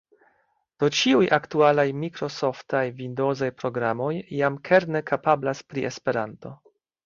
Do ĉiuj aktualaj mikrosoftaj vindozaj programoj jam kerne kapablas pri Esperanto.